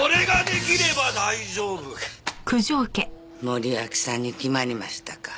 森脇さんに決まりましたか。